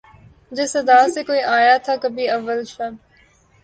جس ادا سے کوئی آیا تھا کبھی اول شب